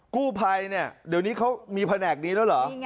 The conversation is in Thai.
กู้พัยเดี๋ยวนี้เขามีแผนกนี้หรือ